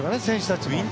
選手たちも。